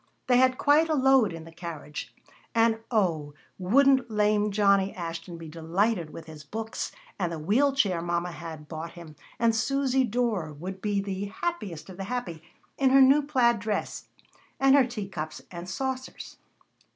They had quite a load in the carriage. And oh! wouldn't lame Johnny Ashton be delighted with his books, and the wheel chair mama had bought him, and Susy Dorr would be the happiest of the happy in her new plaid dress, and her teacups and saucers.